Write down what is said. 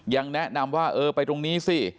ยังแนะนำว่าเออไปตรงนี้สิ